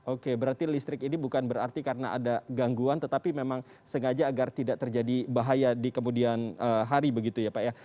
oke berarti listrik ini bukan berarti karena ada gangguan tetapi memang sengaja agar tidak terjadi bahaya di kemudian hari begitu ya pak ya